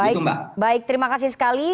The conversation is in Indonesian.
itu mbak baik terima kasih sekali